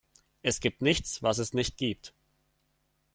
Es gibt nichts, was es nicht gibt.